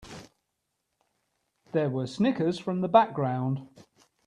There were snickers from the background.